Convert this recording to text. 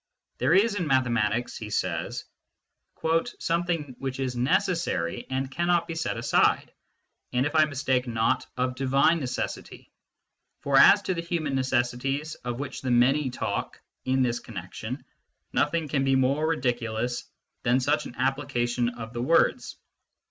There is in mathematics, he says, "something which is necessary and cannot be set aside ... and, if I mistake not, of divine necessity ; for as to the human necessities of which the Many talk in this connection, nothing can be more ridiculous than such an application of the words.